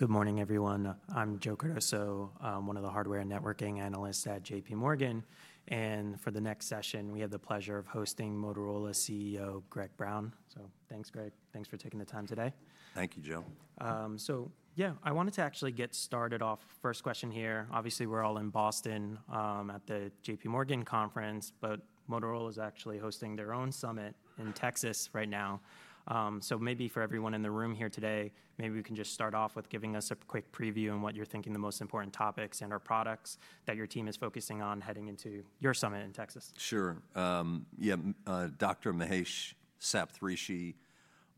Good morning, everyone. I'm Joe Cardoso, one of the hardware and networking analysts at JPMorgan. For the next session, we have the pleasure of hosting Motorola CEO Greg Brown. Thanks, Greg. Thanks for taking the time today. Thank you, Joe. Yeah, I wanted to actually get started off. First question here. Obviously, we're all in Boston at the JPMorgan conference, but Motorola is actually hosting their own summit in Texas right now. Maybe for everyone in the room here today, maybe we can just start off with giving us a quick preview on what you're thinking the most important topics and/or products that your team is focusing on heading into your summit in Texas. Sure. Yeah, Dr. Mahesh Saptharishi,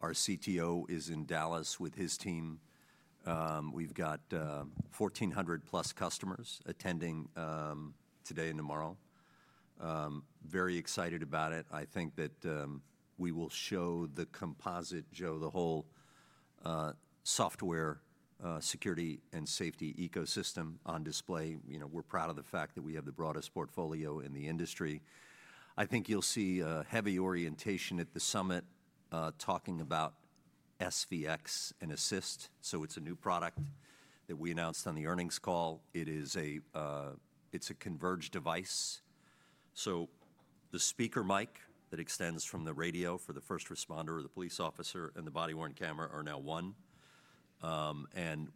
our CTO, is in Dallas with his team. We've got 1,400-plus customers attending today and tomorrow. Very excited about it. I think that we will show the composite, Joe, the whole software security and safety ecosystem on display. We're proud of the fact that we have the broadest portfolio in the industry. I think you'll see a heavy orientation at the summit talking about SVX and ASSIST. It is a new product that we announced on the earnings call. It is a converged device. The speaker mic that extends from the radio for the first responder or the police officer and the body-worn camera are now one.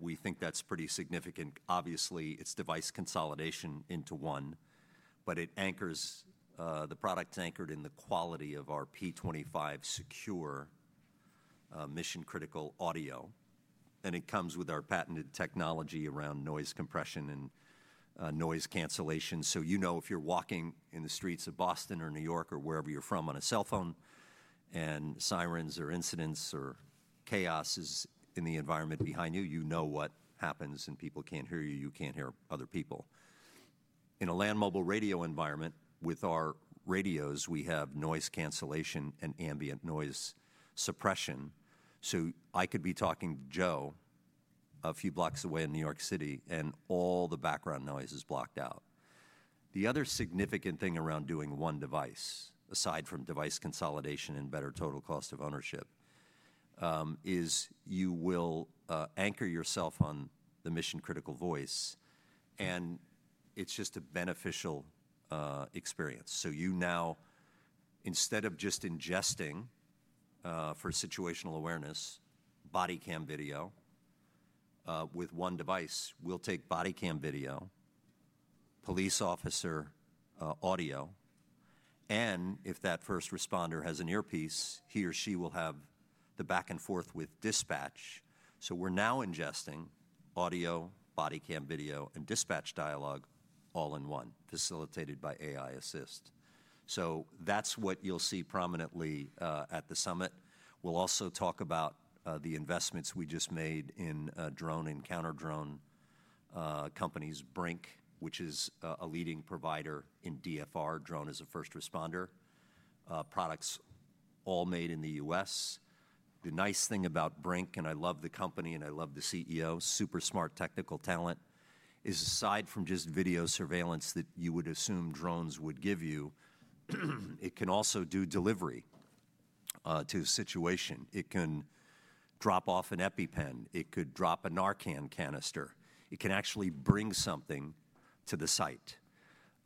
We think that's pretty significant. Obviously, it's device consolidation into one, but the product's anchored in the quality of our P25 Secure mission-critical audio. It comes with our patented technology around noise compression and noise cancellation. You know if you're walking in the streets of Boston or New York or wherever you're from on a cell phone, and sirens or incidents or chaos is in the environment behind you, you know what happens. People can't hear you. You can't hear other people. In a land mobile radio environment, with our radios, we have noise cancellation and ambient noise suppression. I could be talking to Joe a few blocks away in New York City, and all the background noise is blocked out. The other significant thing around doing one device, aside from device consolidation and better total cost of ownership, is you will anchor yourself on the mission-critical voice. It's just a beneficial experience. You now, instead of just ingesting for situational awareness, body cam video with one device will take body cam video, police officer audio. If that first responder has an earpiece, he or she will have the back and forth with dispatch. We are now ingesting audio, body cam video, and dispatch dialogue all in one, facilitated by AI ASSIST. That is what you will see prominently at the summit. We will also talk about the investments we just made in drone and counter-drone companies, BRINC, which is a leading provider in DFR, drone as a first responder, products all made in the US. The nice thing about BRINC, and I love the company, and I love the CEO, super smart technical talent, is aside from just video surveillance that you would assume drones would give you, it can also do delivery to a situation. It can drop off an EpiPen. It could drop a Narcan canister. It can actually bring something to the site.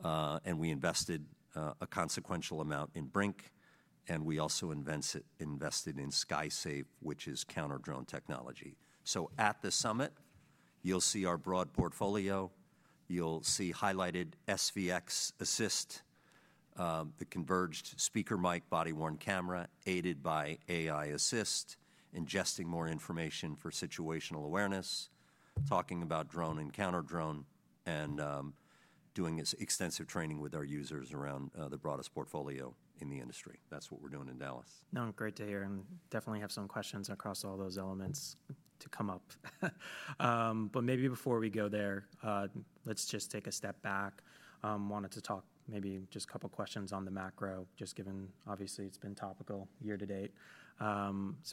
We invested a consequential amount in BRINC. We also invested in SkySafe, which is counter-drone technology. At the summit, you'll see our broad portfolio. You'll see highlighted SVX, ASSIST, the converged speaker mic, body-worn camera aided by AI ASSIST, ingesting more information for situational awareness, talking about drone and counter-drone, and doing extensive training with our users around the broadest portfolio in the industry. That's what we're doing in Dallas. No, great to hear. I definitely have some questions across all those elements to come up. Maybe before we go there, let's just take a step back. Wanted to talk maybe just a couple of questions on the macro, just given, obviously, it's been topical year to date.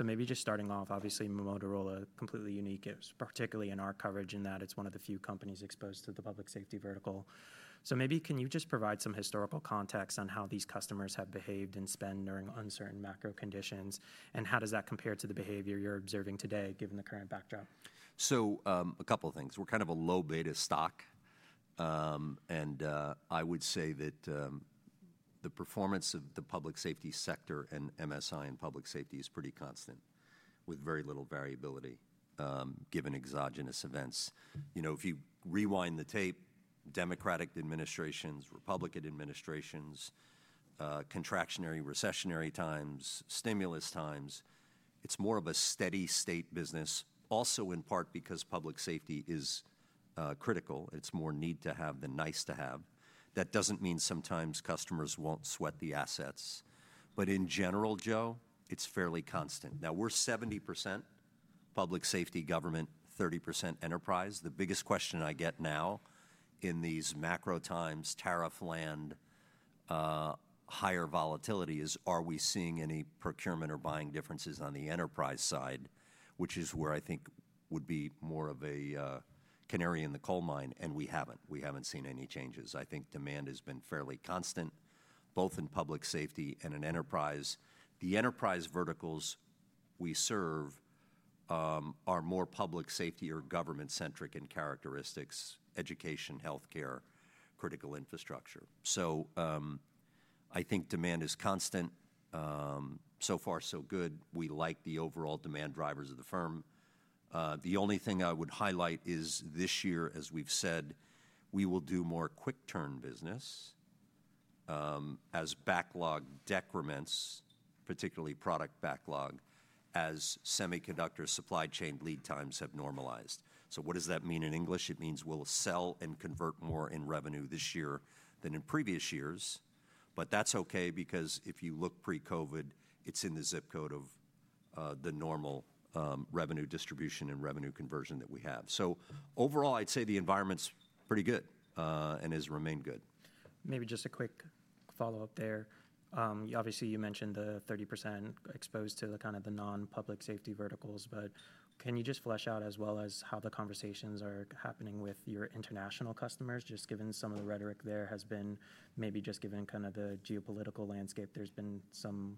Maybe just starting off, obviously, Motorola is completely unique, particularly in our coverage, in that it's one of the few companies exposed to the public safety vertical. Maybe can you just provide some historical context on how these customers have behaved and spend during uncertain macro conditions? How does that compare to the behavior you're observing today, given the current backdrop? A couple of things. We're kind of a low-beta stock. I would say that the performance of the public safety sector and MSI and public safety is pretty constant, with very little variability, given exogenous events. If you rewind the tape, Democratic administrations, Republican administrations, contractionary, recessionary times, stimulus times, it's more of a steady-state business, also in part because public safety is critical. It's more need-to-have than nice-to-have. That doesn't mean sometimes customers won't sweat the assets. In general, Joe, it's fairly constant. Now, we're 70% public safety, government 30% enterprise. The biggest question I get now in these macro times, tariff land, higher volatility, is are we seeing any procurement or buying differences on the enterprise side, which is where I think would be more of a canary in the coal mine. We haven't. We haven't seen any changes. I think demand has been fairly constant, both in public safety and in enterprise. The enterprise verticals we serve are more public safety or government-centric in characteristics, education, health care, critical infrastructure. I think demand is constant. So far, so good. We like the overall demand drivers of the firm. The only thing I would highlight is this year, as we've said, we will do more quick-turn business as backlog decrements, particularly product backlog, as semiconductor supply chain lead times have normalized. What does that mean in English? It means we'll sell and convert more in revenue this year than in previous years. That's OK, because if you look pre-COVID, it's in the zip code of the normal revenue distribution and revenue conversion that we have. Overall, I'd say the environment's pretty good and has remained good. Maybe just a quick follow-up there. Obviously, you mentioned the 30% exposed to kind of the non-public safety verticals. Can you just flesh out as well as how the conversations are happening with your international customers, just given some of the rhetoric there has been maybe just given kind of the geopolitical landscape? There has been some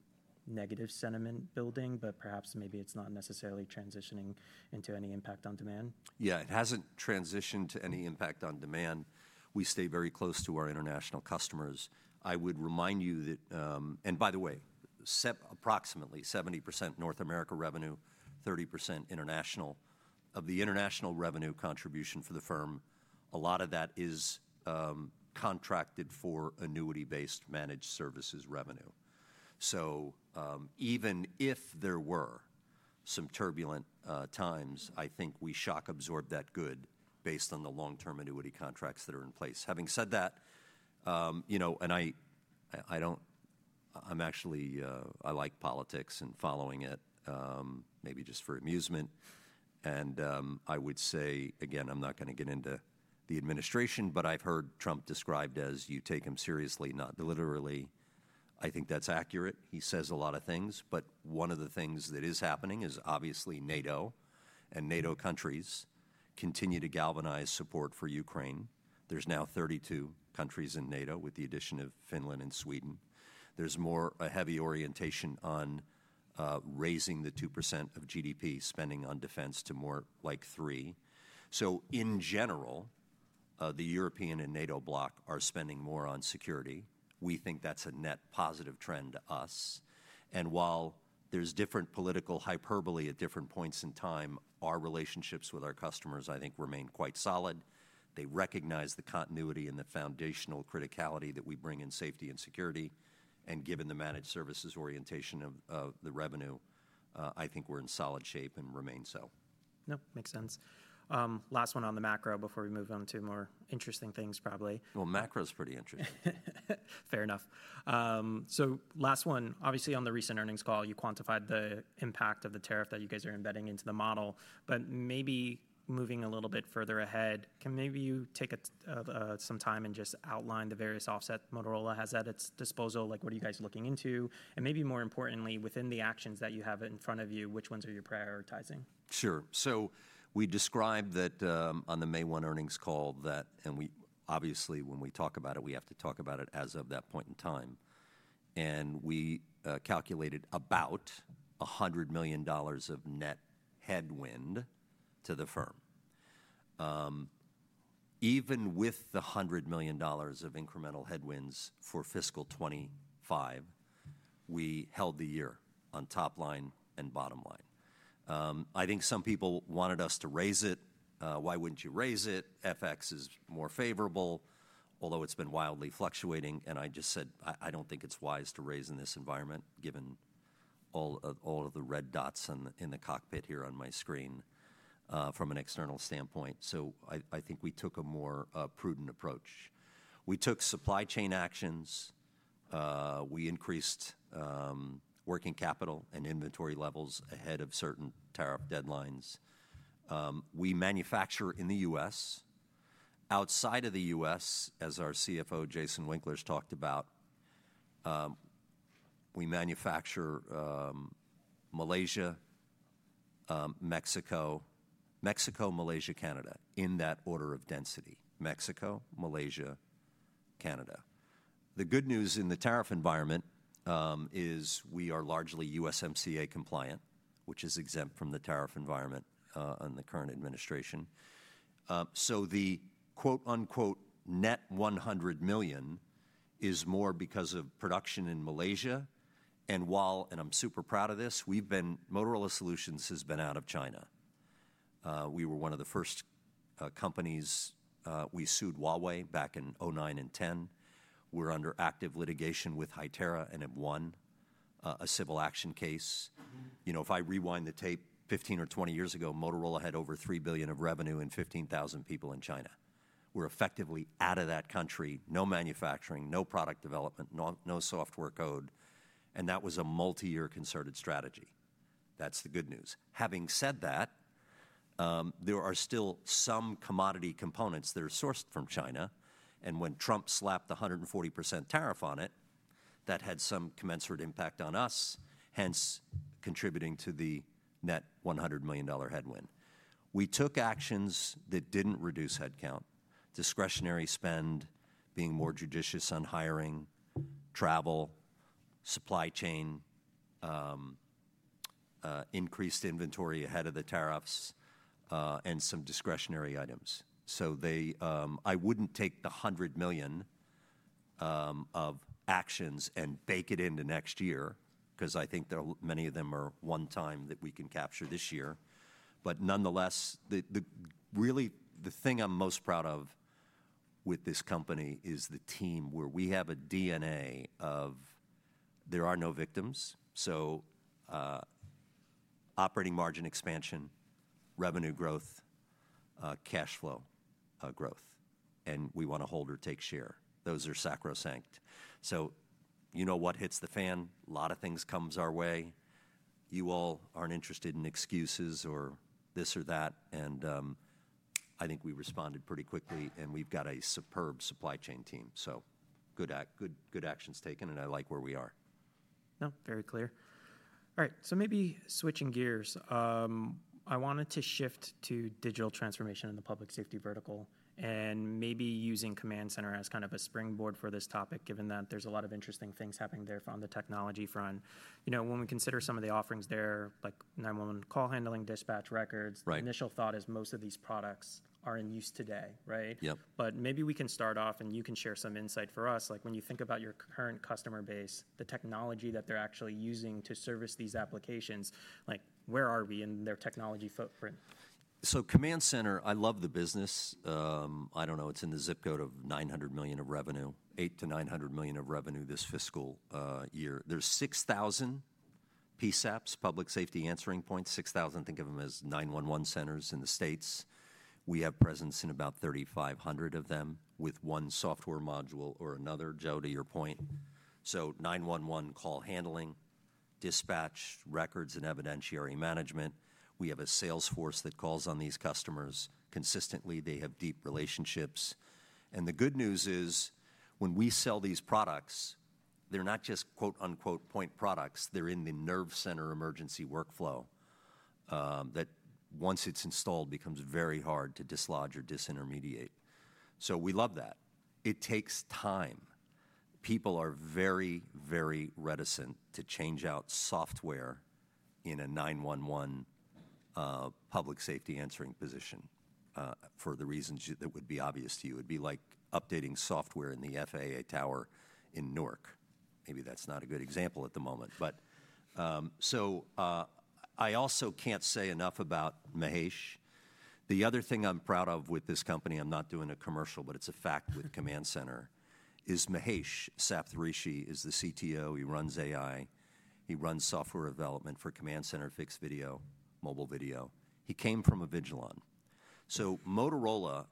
negative sentiment building, but perhaps maybe it's not necessarily transitioning into any impact on demand. Yeah, it hasn't transitioned to any impact on demand. We stay very close to our international customers. I would remind you that, and by the way, approximately 70% North America revenue, 30% international. Of the international revenue contribution for the firm, a lot of that is contracted for annuity-based managed services revenue. Even if there were some turbulent times, I think we shock absorb that good based on the long-term annuity contracts that are in place. Having said that, and I'm actually, I like politics and following it, maybe just for amusement. I would say, again, I'm not going to get into the administration, but I've heard Trump described as you take him seriously, not deliberately. I think that's accurate. He says a lot of things. One of the things that is happening is obviously NATO and NATO countries continue to galvanize support for Ukraine. There's now 32 countries in NATO, with the addition of Finland and Sweden. There's more a heavy orientation on raising the 2% of GDP spending on defense to more like 3%. In general, the European and NATO bloc are spending more on security. We think that's a net positive trend to us. While there's different political hyperbole at different points in time, our relationships with our customers, I think, remain quite solid. They recognize the continuity and the foundational criticality that we bring in safety and security. Given the managed services orientation of the revenue, I think we're in solid shape and remain so. No, makes sense. Last one on the macro before we move on to more interesting things, probably. Macro's pretty interesting. Fair enough. Last one, obviously, on the recent earnings call, you quantified the impact of the tariff that you guys are embedding into the model. Maybe moving a little bit further ahead, can you take some time and just outline the various offsets Motorola has at its disposal? What are you guys looking into? More importantly, within the actions that you have in front of you, which ones are you prioritizing? Sure. We described that on the May 1 earnings call that, and obviously, when we talk about it, we have to talk about it as of that point in time. We calculated about $100 million of net headwind to the firm. Even with the $100 million of incremental headwinds for fiscal 2025, we held the year on top line and bottom line. I think some people wanted us to raise it. Why wouldn't you raise it? FX is more favorable, although it's been wildly fluctuating. I just said, I don't think it's wise to raise in this environment, given all of the red dots in the cockpit here on my screen from an external standpoint. I think we took a more prudent approach. We took supply chain actions. We increased working capital and inventory levels ahead of certain tariff deadlines. We manufacture in the U.S. Outside of the U.S., as our CFO, Jason Winkler, talked about, we manufacture Malaysia, Mexico, Mexico, Malaysia, Canada, in that order of density: Mexico, Malaysia, Canada. The good news in the tariff environment is we are largely USMCA compliant, which is exempt from the tariff environment on the current administration. The quote-unquote "net $100 million" is more because of production in Malaysia. While, and I'm super proud of this, we've been Motorola Solutions has been out of China. We were one of the first companies. We sued Huawei back in 2009 and 2010. We're under active litigation with Hytera and have won a civil action case. If I rewind the tape, 15 or 20 years ago, Motorola had over $3 billion of revenue and 15,000 people in China. We're effectively out of that country, no manufacturing, no product development, no software code. That was a multi-year concerted strategy. That's the good news. Having said that, there are still some commodity components that are sourced from China. When Trump slapped the 140% tariff on it, that had some commensurate impact on us, hence contributing to the net $100 million headwind. We took actions that did not reduce headcount, discretionary spend, being more judicious on hiring, travel, supply chain, increased inventory ahead of the tariffs, and some discretionary items. I would not take the $100 million of actions and bake it into next year, because I think many of them are one-time that we can capture this year. Nonetheless, really, the thing I am most proud of with this company is the team, where we have a DNA of there are no victims. Operating margin expansion, revenue growth, cash flow growth. We want to hold or take share. Those are sacrosanct. You know what hits the fan? A lot of things come our way. You all aren't interested in excuses or this or that. I think we responded pretty quickly. We've got a superb supply chain team. Good actions taken. I like where we are. No, very clear. All right, so maybe switching gears, I wanted to shift to digital transformation in the public safety vertical and maybe using Command Center as kind of a springboard for this topic, given that there's a lot of interesting things happening there on the technology front. When we consider some of the offerings there, like 911 call handling, dispatch records, initial thought is most of these products are in use today, right? Yep. Maybe we can start off, and you can share some insight for us. Like, when you think about your current customer base, the technology that they're actually using to service these applications, where are we in their technology footprint? Command Center, I love the business. I don't know. It's in the zip code of $900 million of revenue, $800 million-$900 million of revenue this fiscal year. There are 6,000 PSAPs, Public Safety Answering Points, 6,000. Think of them as 911 centers in the States. We have presence in about 3,500 of them with one software module or another, Joe, to your point. 911 call handling, dispatch records, and evidentiary management. We have a sales force that calls on these customers consistently. They have deep relationships. The good news is when we sell these products, they're not just quote-unquote "point products." They're in the nerve center emergency workflow that, once it's installed, becomes very hard to dislodge or disintermediate. We love that. It takes time. People are very, very reticent to change out software in a 911 public safety answering position for the reasons that would be obvious to you. It'd be like updating software in the FAA tower in Newark. Maybe that's not a good example at the moment. I also can't say enough about Mahesh. The other thing I'm proud of with this company—I'm not doing a commercial, but it's a fact—with Command Center is Mahesh Saptharishi. He is the CTO. He runs AI. He runs software development for Command Center, fixed video, mobile video. He came from a Vigilon. Motorola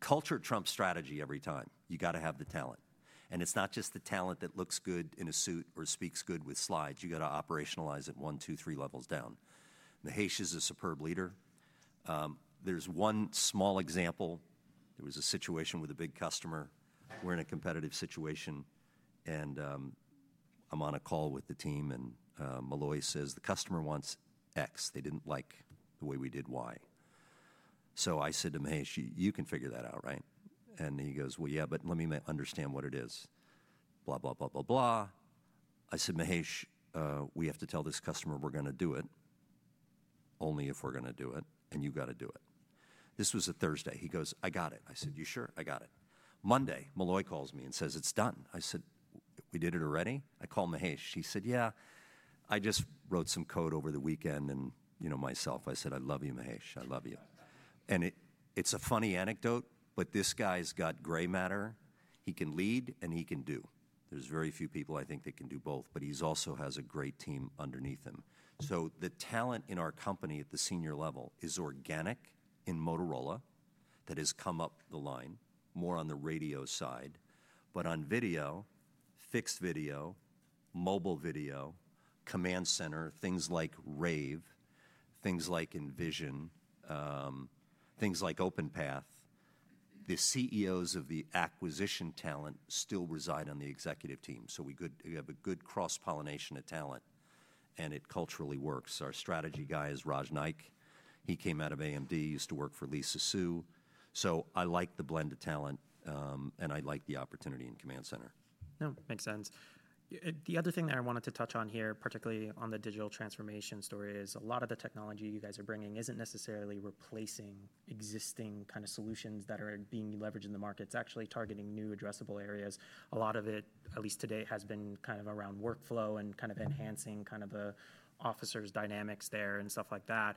culture trumps strategy every time. You've got to have the talent. And it's not just the talent that looks good in a suit or speaks good with slides. You've got to operationalize it one, two, three levels down. Mahesh is a superb leader. There's one small example. There was a situation with a big customer. We're in a competitive situation. I'm on a call with the team. Molloy says, "The customer wants X. They didn't like the way we did Y." I said to Mahesh, "You can figure that out, right?" He goes, "Well, yeah, but let me understand what it is," blah, blah, blah, blah, blah. I said, "Mahesh, we have to tell this customer we're going to do it only if we're going to do it. And you've got to do it." This was a Thursday. He goes, "I got it." I said, "You sure?" "I got it." Monday, Molloy calls me and says, "It's done." I said, "We did it already?" I called Mahesh. He said, "Yeah. I just wrote some code over the weekend." Myself, I said, "I love you, Mahesh. I love you." It is a funny anecdote, but this guy's got gray matter. He can lead, and he can do. There are very few people, I think, that can do both. He also has a great team underneath him. The talent in our company at the senior level is organic in Motorola that has come up the line, more on the radio side. On video, fixed video, mobile video, Command Center, things like RAVE, things like Envysion, things like Openpath, the CEOs of the acquisition talent still reside on the executive team. We have a good cross-pollination of talent. It culturally works. Our strategy guy is Raj Naik. He came out of AMD, used to work for Lee Sisu. I like the blend of talent. I like the opportunity in Command Center. No, makes sense. The other thing that I wanted to touch on here, particularly on the digital transformation story, is a lot of the technology you guys are bringing isn't necessarily replacing existing kind of solutions that are being leveraged in the market. It's actually targeting new addressable areas. A lot of it, at least today, has been kind of around workflow and kind of enhancing kind of the officers' dynamics there and stuff like that.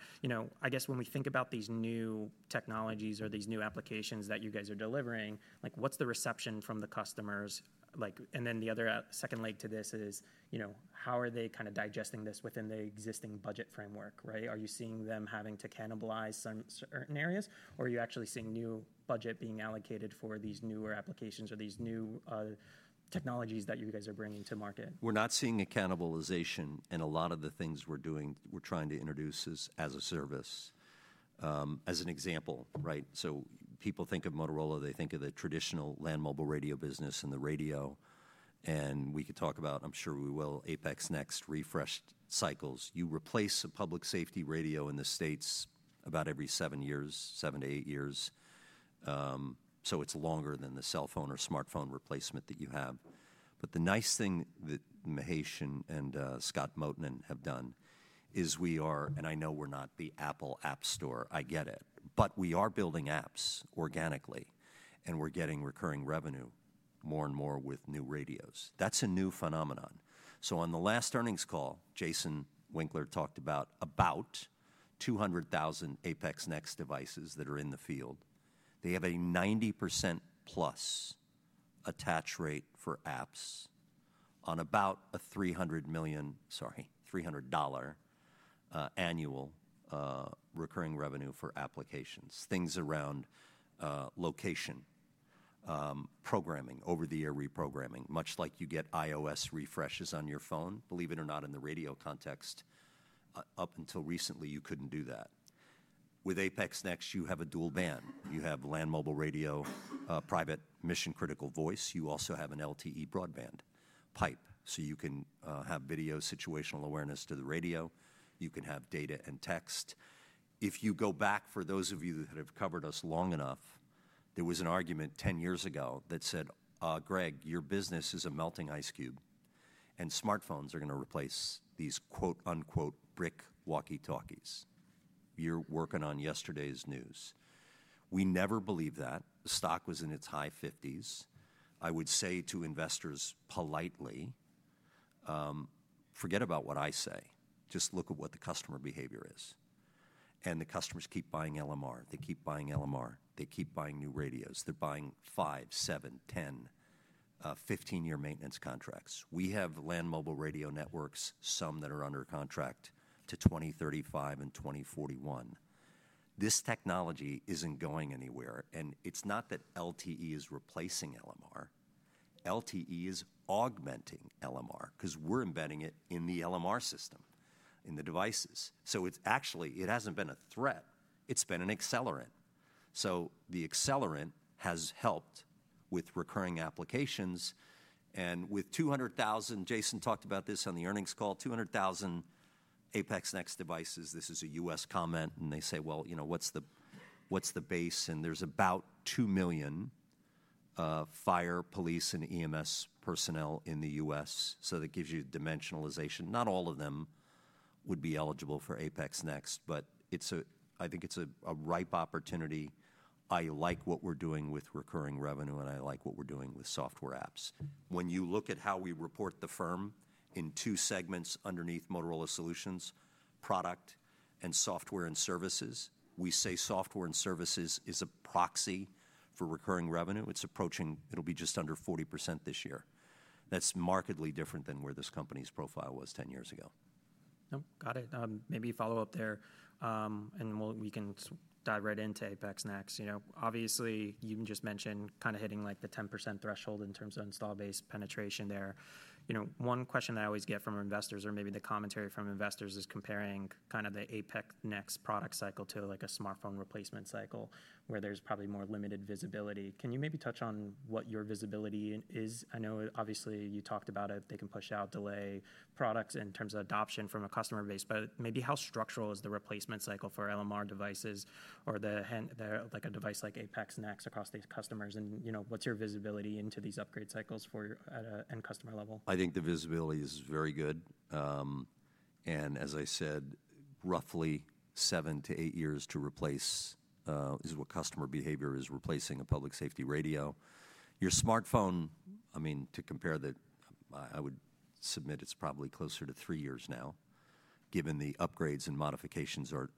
I guess when we think about these new technologies or these new applications that you guys are delivering, what's the reception from the customers? The other second leg to this is, how are they kind of digesting this within the existing budget framework? Are you seeing them having to cannibalize certain areas? Or are you actually seeing new budget being allocated for these newer applications or these new technologies that you guys are bringing to market? We're not seeing a cannibalization. A lot of the things we're doing, we're trying to introduce as a service. As an example, people think of Motorola, they think of the traditional land mobile radio business and the radio. We could talk about, I'm sure we will, APX NEXT refresh cycles. You replace a public safety radio in the States about every seven years, seven to eight years. It is longer than the cell phone or smartphone replacement that you have. The nice thing that Mahesh and Scott Mottonen have done is we are, and I know we're not the Apple App Store, I get it, but we are building apps organically. We're getting recurring revenue more and more with new radios. That is a new phenomenon. On the last earnings call, Jason Winkler talked about about 200,000 APX NEXT devices that are in the field. They have a 90% plus attach rate for apps on about a $300 million, sorry, $300 annual recurring revenue for applications, things around location, programming, over-the-air reprogramming, much like you get iOS refreshes on your phone, believe it or not, in the radio context. Up until recently, you could not do that. With APX NEXT, you have a dual band. You have land mobile radio, private mission-critical voice. You also have an LTE broadband pipe. You can have video situational awareness to the radio. You can have data and text. If you go back, for those of you that have covered us long enough, there was an argument 10 years ago that said, "Greg, your business is a melting ice cube. And smartphones are going to replace these quote-unquote 'brick walkie-talkies you're working on yesterday's news.'" We never believed that. The stock was in its high 50s. I would say to investors politely, "Forget about what I say. Just look at what the customer behavior is." The customers keep buying LMR. They keep buying LMR. They keep buying new radios. They're buying 5, 7, 10, 15-year maintenance contracts. We have land mobile radio networks, some that are under contract to 2035 and 2041. This technology isn't going anywhere. It's not that LTE is replacing LMR. LTE is augmenting LMR because we're embedding it in the LMR system, in the devices. It's actually, it hasn't been a threat. It's been an accelerant. The accelerant has helped with recurring applications. With 200,000, Jason talked about this on the earnings call, 200,000 APX NEXT devices. This is a U.S. comment. They say, "What's the base?" There's about 2 million fire, police, and EMS personnel in the U.S. That gives you dimensionalization. Not all of them would be eligible for APX NEXT. I think it's a ripe opportunity. I like what we're doing with recurring revenue. I like what we're doing with software apps. When you look at how we report the firm in two segments underneath Motorola Solutions: product and software and services. We say software and services is a proxy for recurring revenue. It's approaching—it'll be just under 40% this year. That's markedly different than where this company's profile was 10 years ago. No, got it. Maybe follow up there. We can dive right into APX NEXT. Obviously, you just mentioned kind of hitting the 10% threshold in terms of install-based penetration there. One question that I always get from investors, or maybe the commentary from investors, is comparing kind of the APX NEXT product cycle to a smartphone replacement cycle, where there's probably more limited visibility. Can you maybe touch on what your visibility is? I know, obviously, you talked about it. They can push out, delay products in terms of adoption from a customer base. Maybe how structural is the replacement cycle for LMR devices or a device like APX NEXT across these customers? What's your visibility into these upgrade cycles at an end customer level? I think the visibility is very good. As I said, roughly seven to eight years to replace is what customer behavior is replacing a public safety radio. Your smartphone, I mean, to compare, I would submit it's probably closer to three years now, given the upgrades and modifications are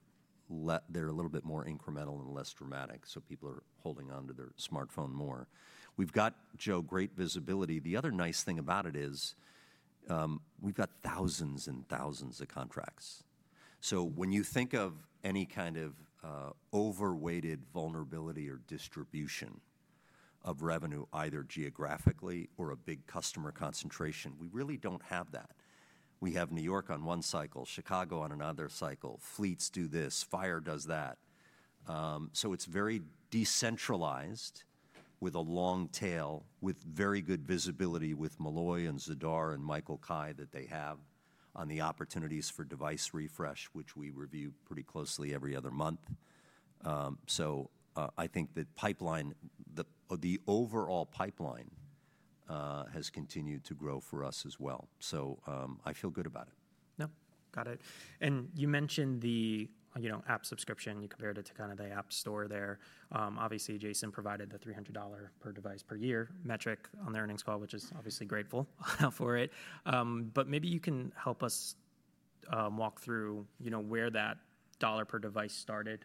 a little bit more incremental and less dramatic. People are holding on to their smartphone more. We've got, Joe, great visibility. The other nice thing about it is we've got thousands and thousands of contracts. When you think of any kind of overweighted vulnerability or distribution of revenue, either geographically or a big customer concentration, we really don't have that. We have New York on one cycle, Chicago on another cycle. Fleets do this. Fire does that. It is very decentralized with a long tail, with very good visibility with Molloy and Zidar and Michael Kaae that they have on the opportunities for device refresh, which we review pretty closely every other month. I think that pipeline, the overall pipeline has continued to grow for us as well. I feel good about it. No, got it. You mentioned the app subscription. You compared it to kind of the App Store there. Obviously, Jason provided the $300 per device per year metric on the earnings call, which is obviously grateful for it. Maybe you can help us walk through where that dollar per device started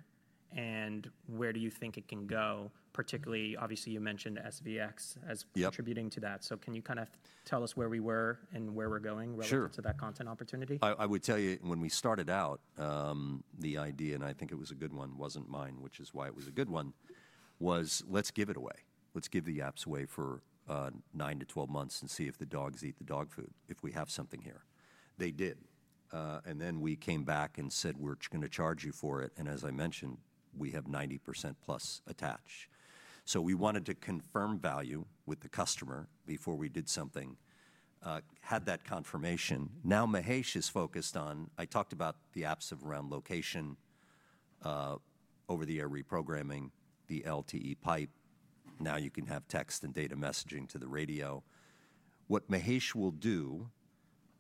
and where you think it can go, particularly, obviously, you mentioned SVX as contributing to that. Can you kind of tell us where we were and where we're going relative to that content opportunity? Sure. I would tell you, when we started out, the idea—and I think it was a good one—was not mine, which is why it was a good one—was let's give it away. Let's give the apps away for 9 to 12 months and see if the dogs eat the dog food, if we have something here. They did. Then we came back and said, "We're going to charge you for it." As I mentioned, we have 90% plus attach. We wanted to confirm value with the customer before we did something, had that confirmation. Now Mahesh is focused on—I talked about the apps around location, over-the-air reprogramming, the LTE pipe. Now you can have text and data messaging to the radio. What Mahesh will do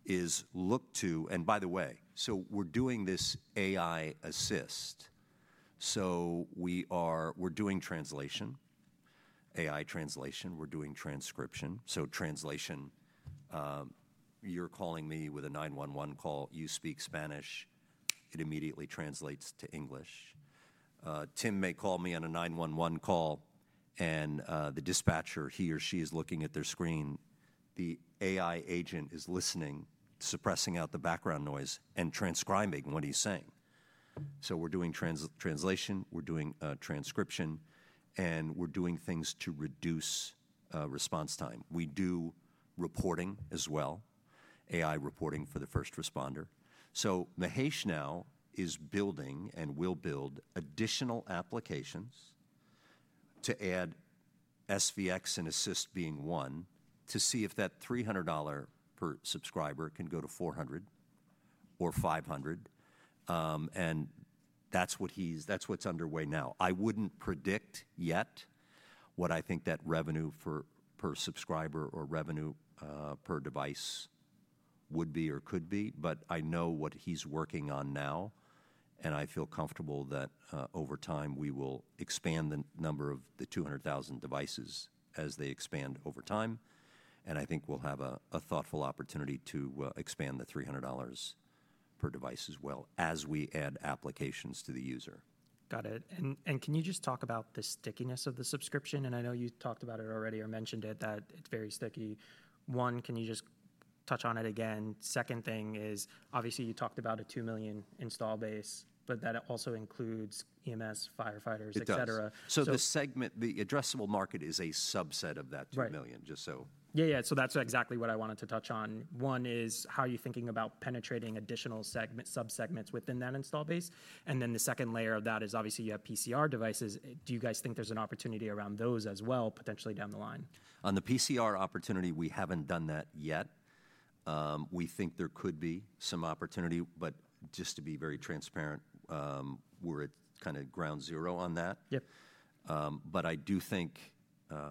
is look to—by the way, we are doing this AI assist. We are doing translation, AI translation. We are doing transcription. Translation, you're calling me with a 911 call. You speak Spanish. It immediately translates to English. Tim may call me on a 911 call. The dispatcher, he or she is looking at their screen. The AI agent is listening, suppressing out the background noise and transcribing what he's saying. We're doing translation. We're doing transcription. We're doing things to reduce response time. We do reporting as well, AI reporting for the first responder. Mahesh now is building and will build additional applications to add SVX and ASSIST being one to see if that $300 per subscriber can go to $400 or $500. That's what's underway now. I wouldn't predict yet what I think that revenue per subscriber or revenue per device would be or could be. I know what he's working on now. I feel comfortable that over time, we will expand the number of the 200,000 devices as they expand over time. I think we'll have a thoughtful opportunity to expand the $300 per device as well as we add applications to the user. Got it. Can you just talk about the stickiness of the subscription? I know you talked about it already or mentioned it, that it's very sticky. One, can you just touch on it again? Second thing is, obviously, you talked about a $2 million install base, but that also includes EMS, firefighters, et cetera. The addressable market is a subset of that $2 million, just so. Yeah, yeah. That's exactly what I wanted to touch on. One is how are you thinking about penetrating additional subsegments within that install base? The second layer of that is, obviously, you have PCR devices. Do you guys think there's an opportunity around those as well, potentially down the line? On the PCR opportunity, we haven't done that yet. We think there could be some opportunity. To be very transparent, we're at kind of ground zero on that.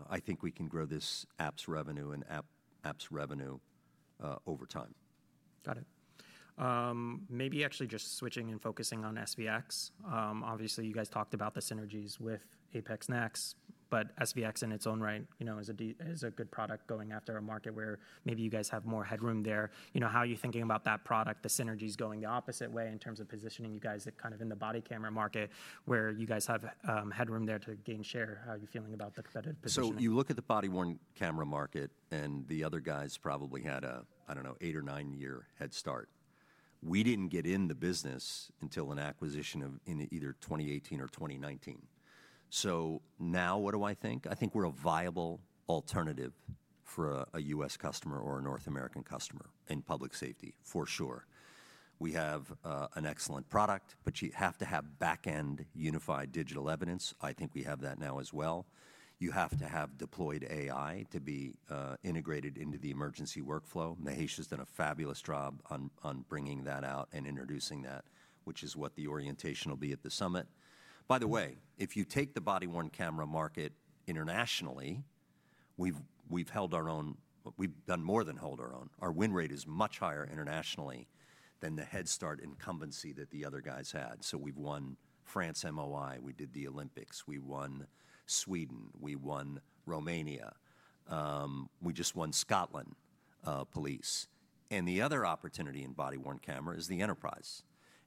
I think we can grow this app's revenue and app's revenue over time. Got it. Maybe actually just switching and focusing on SVX. Obviously, you guys talked about the synergies with APX NEXT. But SVX in its own right is a good product going after a market where maybe you guys have more headroom there. How are you thinking about that product, the synergies going the opposite way in terms of positioning you guys kind of in the body camera market, where you guys have headroom there to gain share? How are you feeling about the position? You look at the body-worn camera market. The other guys probably had a, I don't know, eight or nine-year head start. We didn't get in the business until an acquisition in either 2018 or 2019. Now what do I think? I think we're a viable alternative for a U.S. customer or a North American customer in public safety, for sure. We have an excellent product. You have to have back-end unified digital evidence. I think we have that now as well. You have to have deployed AI to be integrated into the emergency workflow. Mahesh has done a fabulous job on bringing that out and introducing that, which is what the orientation will be at the summit. By the way, if you take the body-worn camera market internationally, we've held our own. We've done more than hold our own. Our win rate is much higher internationally than the head start incumbency that the other guys had. We have won France MOI. We did the Olympics. We won Sweden. We won Romania. We just won Scotland police. The other opportunity in body-worn camera is the enterprise.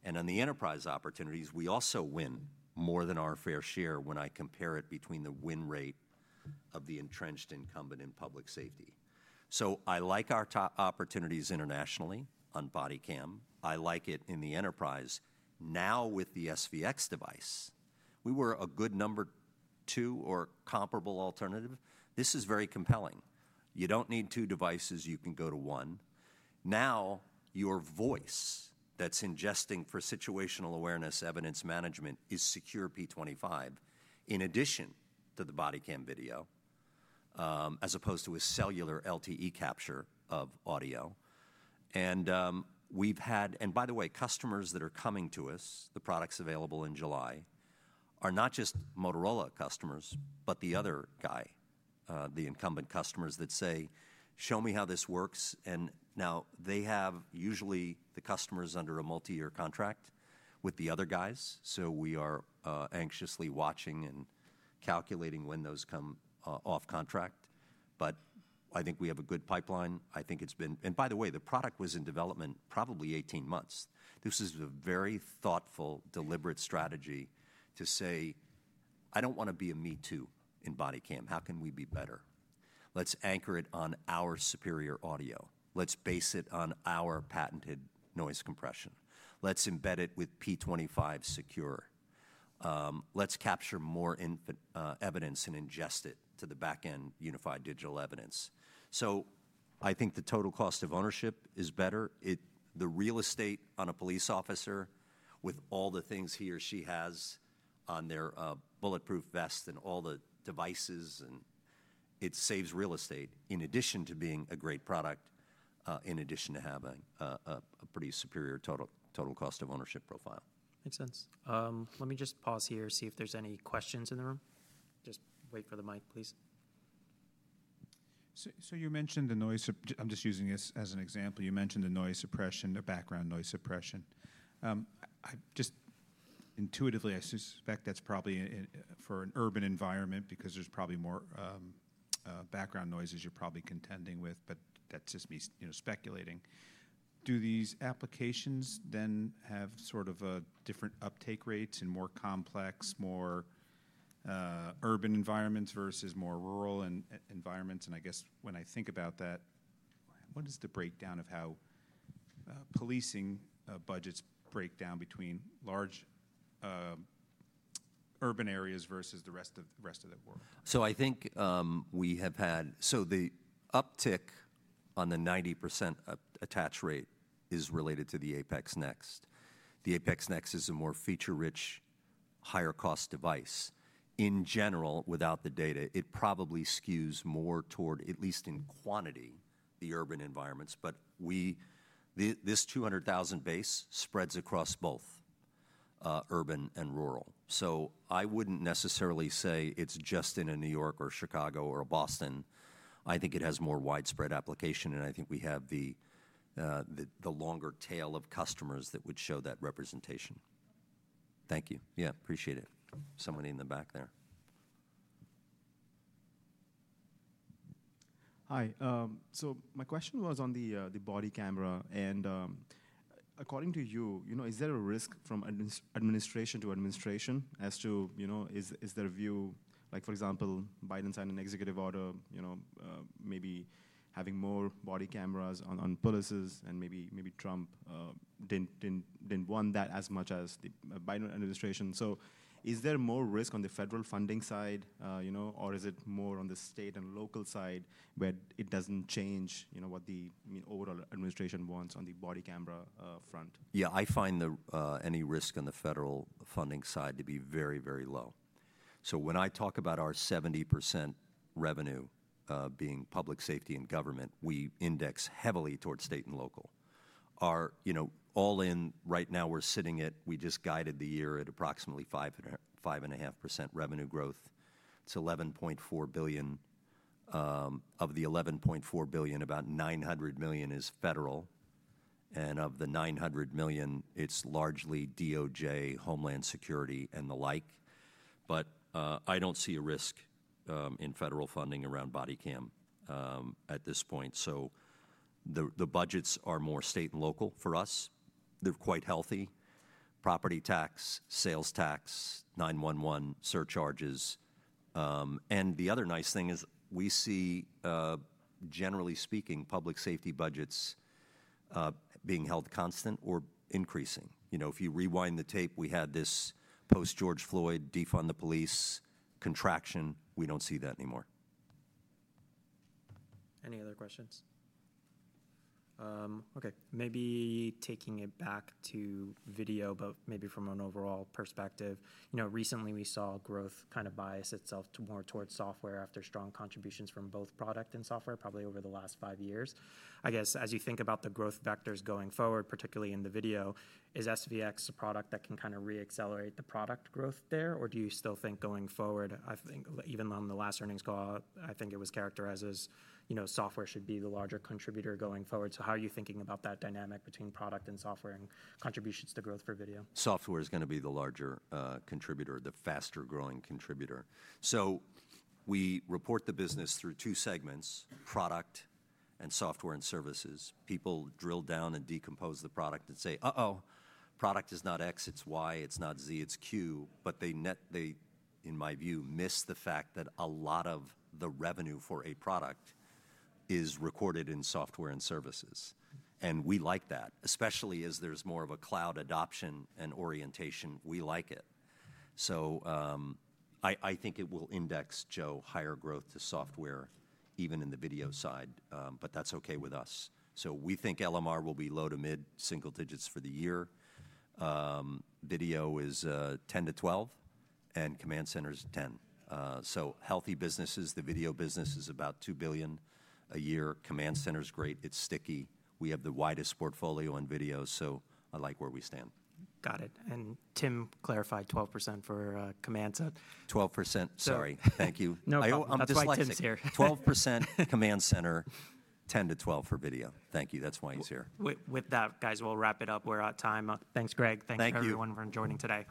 On the enterprise opportunities, we also win more than our fair share when I compare it between the win rate of the entrenched incumbent in public safety. I like our opportunities internationally on body cam. I like it in the enterprise. Now with the SVX device, we were a good number two or comparable alternative. This is very compelling. You do not need two devices. You can go to one. Now your voice that is ingesting for situational awareness, evidence management is Secure P25, in addition to the body cam video, as opposed to a cellular LTE capture of audio. By the way, customers that are coming to us, the product is available in July, are not just Motorola customers, but the other guy, the incumbent customers that say, "Show me how this works." Now they have usually the customers under a multi-year contract with the other guys. We are anxiously watching and calculating when those come off contract. I think we have a good pipeline. I think it has been—and by the way, the product was in development probably 18 months. This is a very thoughtful, deliberate strategy to say, "I do not want to be a me too in body cam. How can we be better? Let us anchor it on our superior audio. Let us base it on our patented noise compression. Let us embed it with P25 secure. Let's capture more evidence and ingest it to the back-end unified digital evidence. I think the total cost of ownership is better. The real estate on a police officer, with all the things he or she has on their bulletproof vest and all the devices, it saves real estate, in addition to being a great product, in addition to having a pretty superior total cost of ownership profile. Makes sense. Let me just pause here and see if there's any questions in the room. Just wait for the mic, please. You mentioned the noise—I'm just using this as an example. You mentioned the noise suppression, the background noise suppression. Just intuitively, I suspect that's probably for an urban environment, because there's probably more background noises you're probably contending with. That's just me speculating. Do these applications then have sort of different uptake rates in more complex, more urban environments versus more rural environments? I guess when I think about that, what is the breakdown of how policing budgets break down between large urban areas versus the rest of the world? I think we have had—the uptick on the 90% attach rate is related to the APX NEXT. The APX NEXT is a more feature-rich, higher-cost device. In general, without the data, it probably skews more toward, at least in quantity, the urban environments. This 200,000 base spreads across both urban and rural. I would not necessarily say it is just in a New York or Chicago or Boston. I think it has more widespread application. I think we have the longer tail of customers that would show that representation. Thank you. Yeah, appreciate it. Somebody in the back there. Hi. So my question was on the body camera. And according to you, is there a risk from administration to administration as to is there a view, for example, Biden signed an executive order, maybe having more body cameras on policies? And maybe Trump didn't want that as much as the Biden administration. So is there more risk on the federal funding side, or is it more on the state and local side where it doesn't change what the overall administration wants on the body camera front? Yeah, I find any risk on the federal funding side to be very, very low. When I talk about our 70% revenue being public safety and government, we index heavily towards state and local. All in, right now, we're sitting at—we just guided the year at approximately 5.5% revenue growth. It is $11.4 billion. Of the $11.4 billion, about $900 million is federal. Of the $900 million, it is largely DOJ, Homeland Security, and the like. I do not see a risk in federal funding around body cam at this point. The budgets are more state and local for us. They are quite healthy. Property tax, sales tax, 911 surcharges. The other nice thing is we see, generally speaking, public safety budgets being held constant or increasing. If you rewind the tape, we had this post-George Floyd defund the police contraction. We do not see that anymore. Any other questions? OK, maybe taking it back to video, but maybe from an overall perspective. Recently, we saw growth kind of bias itself more towards software after strong contributions from both product and software, probably over the last five years. I guess as you think about the growth vectors going forward, particularly in the video, is SVX a product that can kind of reaccelerate the product growth there? Or do you still think going forward, even on the last earnings call, I think it was characterized as software should be the larger contributor going forward? How are you thinking about that dynamic between product and software and contributions to growth for video? Software is going to be the larger contributor, the faster-growing contributor. We report the business through two segments: product and software and services. People drill down and decompose the product and say, "Uh-oh, product is not X. It's Y. It's not Z. It's Q." They, in my view, miss the fact that a lot of the revenue for a product is recorded in software and services. We like that, especially as there is more of a cloud adoption and orientation. We like it. I think it will index, Joe, higher growth to software, even in the video side. That is OK with us. We think LMR will be low to mid single digits for the year. Video is 10%-12%. Command center is 10%. Healthy businesses, the video business is about $2 billion a year. Command center is great. It is sticky. We have the widest portfolio on video. I like where we stand. Got it. Tim clarified 12% for command center. 12%. Sorry. Thank you. No problem. I'm just like Tim's here. 12% command center, 10-12% for video. Thank you. That's why he's here. With that, guys, we'll wrap it up. We're out of time. Thanks, Greg. Thanks, everyone, for joining today.